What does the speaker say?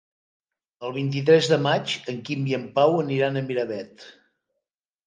El vint-i-tres de maig en Quim i en Pau aniran a Miravet.